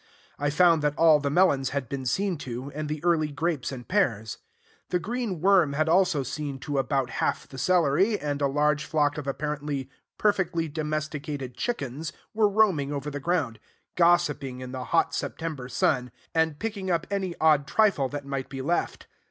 I found that all the melons had been seen to, and the early grapes and pears. The green worm had also seen to about half the celery; and a large flock of apparently perfectly domesticated chickens were roaming over the ground, gossiping in the hot September sun, and picking up any odd trifle that might be left.